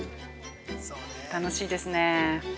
楽しいですね。